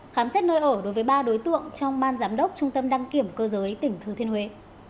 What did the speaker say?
khám xét nơi ở đối với ba đối tượng trong ban giám đốc trung tâm đăng kiểm cơ giới tỉnh thừa thiên huế